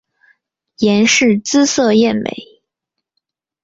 阎氏姿色艳美。